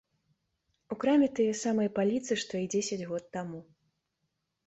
У краме тыя самыя паліцы, што і дзесяць год таму.